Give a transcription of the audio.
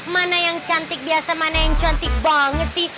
mana yang cantik biasa mana yang cantik banget sih